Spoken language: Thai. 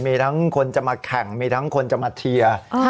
มีทั้งคนจะมาแข่งมีทั้งคนจะมาเชียร์